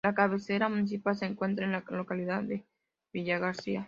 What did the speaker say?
La cabecera municipal se encuentra en la localidad de Villa García.